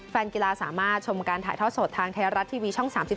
แฟนกีฬาสามารถชมการถ่ายทอดสดทางไทยรัฐทีวีช่อง๓๒